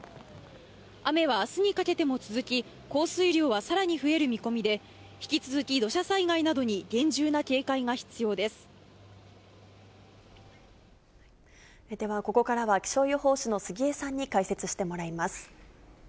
雨はあすにかけても続き、降水量はさらに増える見込みで、引き続き土砂災害などに厳重な警戒が必では、ここからは気象予報士の杉江さんに解説してもらいます。